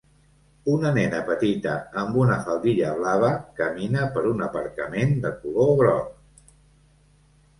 Una nena petita amb una faldilla blava camina per un aparcament de color groc.